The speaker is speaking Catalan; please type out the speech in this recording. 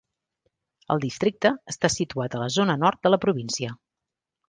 El districte està situat a la zona nord de la província.